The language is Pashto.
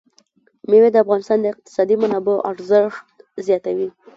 مېوې د افغانستان د اقتصادي منابعو ارزښت زیاتوي.